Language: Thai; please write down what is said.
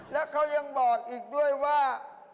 และเขายังบอกอีกด้วยว่า